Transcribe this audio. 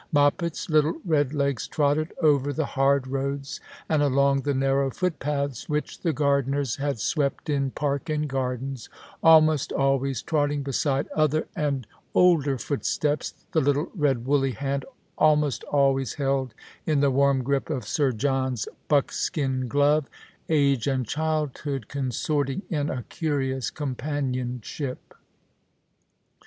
Moppet's little red legs trotted over the hard roads and along the narrow footpaths which the gardeners had swept in park and gardens, almost always trotting beside other and older footsteps, the little red woolly hand almost always held in the warm grip of Sir John's buckskin glove, age and childhood consorting in a curious companion shij).